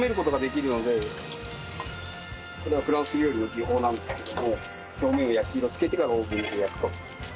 これはフランス料理の技法なんですけども表面を焼き色つけてからオーブンで焼くと。